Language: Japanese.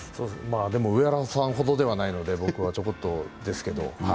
上原さんほどではないので僕はちょこっとですけど。